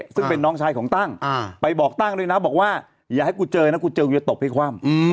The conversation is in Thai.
ซึ่งเป็นน้องชายของตั้งไปบอกตั้งด้วยนะบอกว่าอย่าให้กูเจอนะกูเจอกูจะตบให้คว่ำ